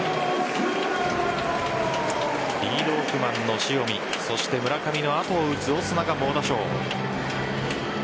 リードオフマンの塩見そして村上の後を打つオスナが猛打賞。